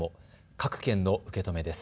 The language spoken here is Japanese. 各県の受け止めです。